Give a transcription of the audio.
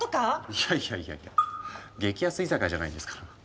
いやいやいやいや激安居酒屋じゃないんですから。